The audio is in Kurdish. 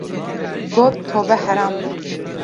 Got, Tobe heram be!